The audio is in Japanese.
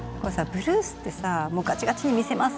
ブルースってさガチガチに見せます！